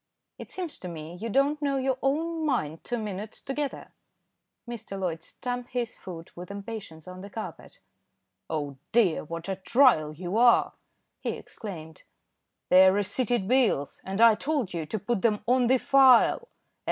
It seems to me you don't know your own mind two minutes together." Mr. Loyd stamped his foot with impatience on the carpet. "Oh dear! what a trial you are," he exclaimed. "They are receipted bills, and I told you to put them on the file.